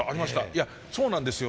いやそうなんですよ